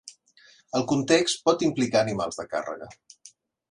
El context pot implicar animals de càrrega.